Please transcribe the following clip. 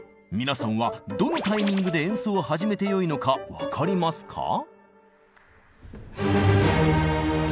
皆さんはどのタイミングで演奏を始めてよいのか分かりますか？